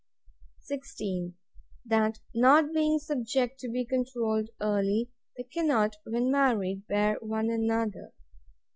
16. That, not being subject to be controlled early, they cannot, when married, bear one another.